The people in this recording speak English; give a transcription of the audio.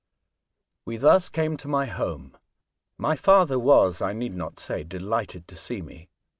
We thus came to my home. My father was, I need not say, delighted to see me.